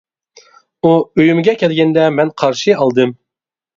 ئۇ ئۆيۈمگە كەلگەندە مەن قارشى ئالدىم.